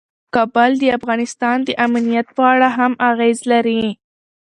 کابل د افغانستان د امنیت په اړه هم اغېز لري.